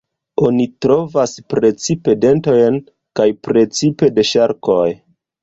Oni trovas precipe dentojn, kaj precipe de ŝarkoj.